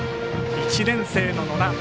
１年生の野田。